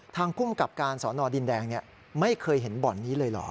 ภูมิกับการสอนอดินแดงไม่เคยเห็นบ่อนนี้เลยเหรอ